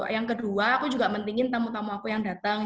yang kedua saya juga mempentingkan tamu tamu saya yang datang